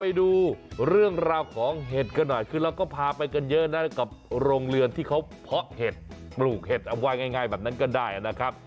ไปดูเรื่องราวของเห็ดกันหน่อยคือเราก็พาไปกันเยอะนะกับโรงเรือนที่เขาเพาะเห็ดปลูกเห็ดเอาไว้ง่ายแบบนั้นก็ได้นะครับ